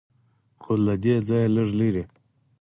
خو له دې ځایه لږ لرې.